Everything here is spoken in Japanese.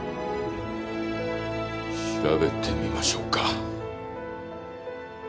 調べてみましょうか。